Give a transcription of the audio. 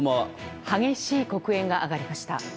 激しい黒煙が上がりました。